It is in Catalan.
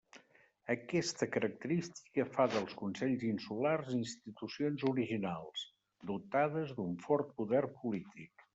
Aquesta característica fa dels consells insulars institucions originals, dotades d'un fort poder polític.